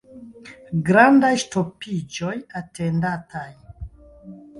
Grandaj ŝtopiĝoj atendataj.